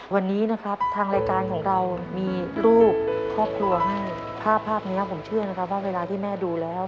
วันนี้นะครับทางรายการของเรามีรูปครอบครัวให้ภาพภาพนี้ผมเชื่อนะครับว่าเวลาที่แม่ดูแล้ว